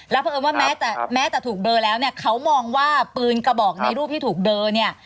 เพราะเอิญว่าแม้แต่แม้จะถูกเบลอแล้วเนี่ยเขามองว่าปืนกระบอกในรูปที่ถูกเบลอเนี่ย